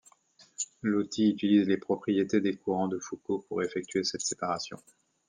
L'outil utilise les propriétés des courants de Foucault pour effectuer cette séparation.